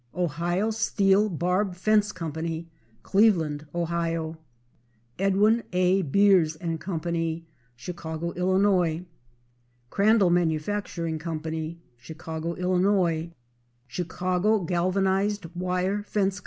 Ohio Steel Barb Fence Co., Cleveland, Ohio. Edwin A. Beers & Co., Chicago, Ill. Crandal Manufacturing Co., Chicago, Ill. Chicago Galvanized Wire Fence Co.